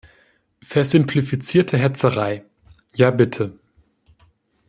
Versimplifizierte Hetzerei, ja bitte.